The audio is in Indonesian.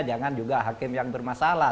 jangan juga hakim yang bermasalah